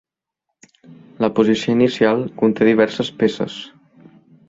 La posició inicial conté diverses peces.